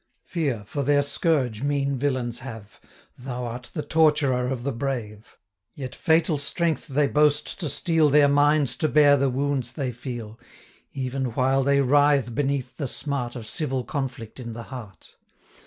Fear, for their scourge, mean villains have, Thou art the torturer of the brave! Yet fatal strength they boast to steel Their minds to bear the wounds they feel, 205 Even while they writhe beneath the smart Of civil conflict in the heart.